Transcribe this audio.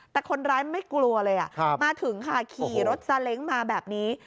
แต่คนร้ายไม่กลัวเลยมาถึงค่ะขี่รถซาเล้งมาแบบนี้